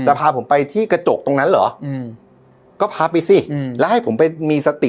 พาผมไปที่กระจกตรงนั้นเหรออืมก็พาไปสิอืมแล้วให้ผมไปมีสติ